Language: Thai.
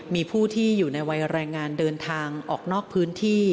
มีผู้ที่อยู่ในวัยแรงงานเดินทางออกนอกพื้นที่